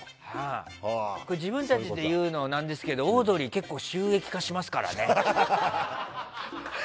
自分たちで言うのなんですけどオードリーは結構収益化しますからね。